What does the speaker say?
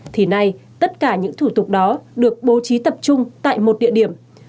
thì nay tất cả những thủ tục đó được bố trí tập trung tại một địa điểm